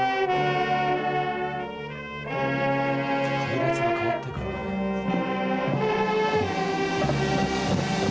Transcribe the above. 隊列が変わっていくんだね。